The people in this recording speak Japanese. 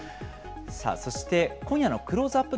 そして今夜のクローズアップ